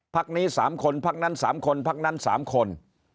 พักนี้๓คนพักนั้น๓คนพักนั้น๓คน